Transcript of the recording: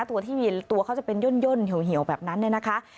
ตัวที่มีตัวเขาจะเป็นย่นเหี่ยวแบบนั้นเนี่ยนะคะ